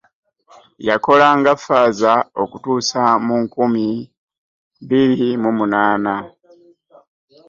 Yakola nga Ffaaza okutuusa mu nkumi bbiri mu munaana.